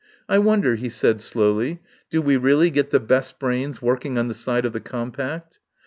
"I wonder," he said slowly. "Do we really get the best brains working on the side of the compact?